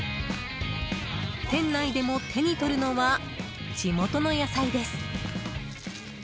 店内でも手に取るのは地元の野菜です。